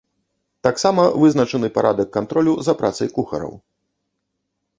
Таксама вызначаны парадак кантролю за працай кухараў.